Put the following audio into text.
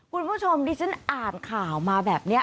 คุณผู้ชมดิฉันอ่านข่าวมาแบบนี้